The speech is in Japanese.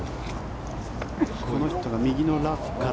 この人が右のラフから。